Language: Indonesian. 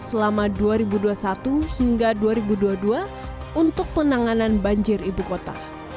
selama dua ribu dua puluh satu hingga dua ribu dua puluh dua untuk penanganan banjir ibu kota